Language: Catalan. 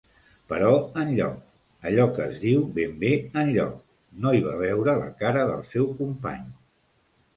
però enlloc, allò que es diu ben bé enlloc, no hi va veure la cara del seu company.